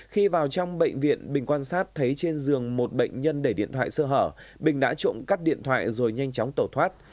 khi vào trong bệnh viện bình quan sát thấy trên giường một bệnh nhân để điện thoại sơ hở bình đã trộm cắt điện thoại rồi nhanh chóng tẩu thoát